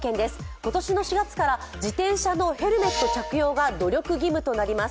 今年の４月から自転車のヘルメット着用が努力義務となります。